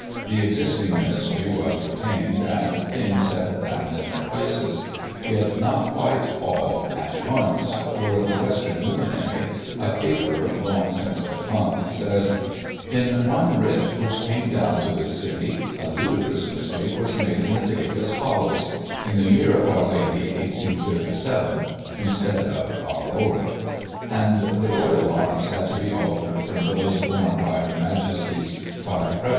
The existing ministry was retained, and things settled down in their places, yet not quite all at once, for The Western Luminary, a paper long since defimct, says, " In one writ which came down to this city, a ludicrous mistake was made in the date, as follows :' In the year of Our Lady 1837,' instead of ' Our Lord' " And the Royal Arms had to be altered from those borne by Her Majesty's five prede Digiti ized by Google 1837] THE KING'S FUNERAL.